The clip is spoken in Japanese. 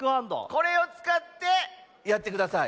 これをつかってやってください。